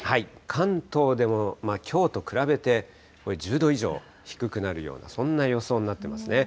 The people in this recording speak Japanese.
関東でもきょうと比べてこれ、１０度以上低くなるような、そんな予想になってますね。